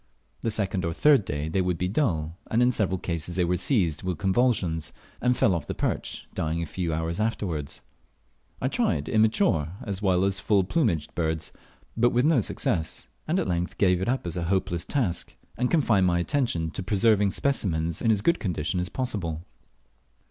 The second or third day they would be dull, and in several cases they were seized with convulsions, and fell off the perch, dying a few hours afterwards. I tried immature as well as full plumaged birds, but with no better success, and at length gave it up as a hopeless task, and confined my attention to preserving specimens in as good a condition as possible.